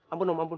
ampun om ampun